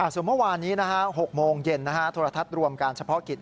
สู่เมื่อวานนี้นะฮะ๖โมงเย็นทัวร์ละทัศน์รวมการเฉพาะการิจ